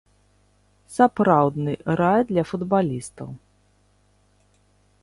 Сапраўдны рай для футбалістаў.